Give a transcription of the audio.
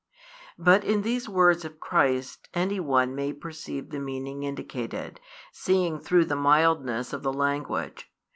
But in these words of Christ any one may perceive the meaning indicated, seeing through the mildness of the language.